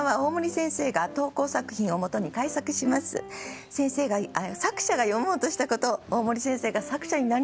先生が作者が詠もうとしたことを大森先生が作者になりきって詠みます。